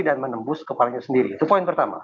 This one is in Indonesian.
dan menembus kepalanya sendiri itu poin pertama